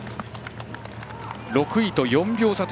６位と４秒差。